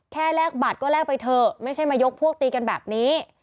แลกบัตรก็แลกไปเถอะไม่ใช่มายกพวกตีกันแบบนี้